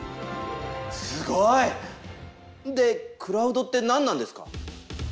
すごい！でクラウドって何なんですか？